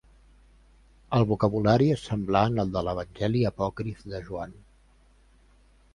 El vocabulari és semblant al de l'Evangeli apòcrif de Joan.